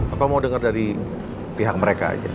apa mau denger dari pihak mereka aja